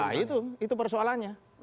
nah itu itu persoalannya